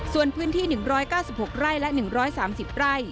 ส่วนพื้นที่๑๙๖ไร่และ๑๓๐ไร่